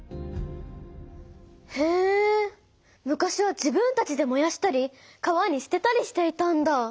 へえ昔は自分たちでもやしたり川にすてたりしていたんだ。